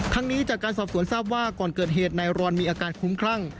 นี้จากการสอบสวนทราบว่าก่อนเกิดเหตุนายรอนมีอาการคุ้มคลั่ง